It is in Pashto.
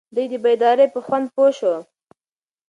دی د بیدارۍ په خوند پوه شو.